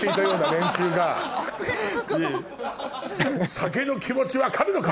「酒の気持ち分かるのか